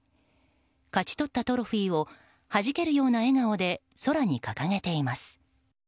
勝ち取ったトロフィーをはじけるような笑顔で空に掲げています。